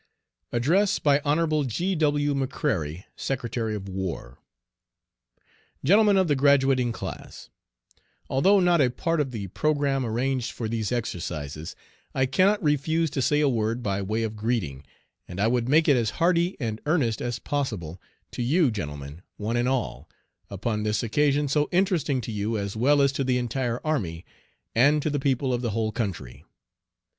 ADDRESS BY HON. G. W. McCRARY, Secretary of War. GENTLEMEN OF THE GRADUATING CLASS: Although not a part of the programme arranged for these exercises, I cannot refuse to say a word by way of greeting, and I would make it as hearty and earnest as possible to you, gentlemen, one and all, upon this occasion, so interesting to you as well is to the entire army, and to the people of the whole country.